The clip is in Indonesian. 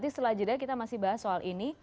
selanjutnya kita masih bahas soal ini